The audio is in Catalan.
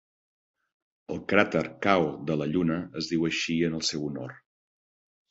El cràter Kao de la Lluna es diu així en el seu honor.